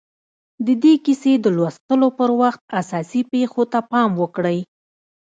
د دې کيسې د لوستلو پر وخت اساسي پېښو ته پام وکړئ.